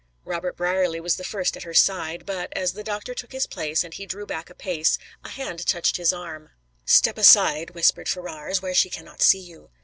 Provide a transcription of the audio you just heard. Robert Brierly was the first at her side, but, as the doctor took his place and he drew back a pace, a hand touched his arm. "Step aside," whispered Ferrars, "where she cannot see you."